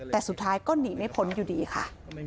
แต่สุดท้ายก็หนีไม่พ้นอยู่ดีค่ะ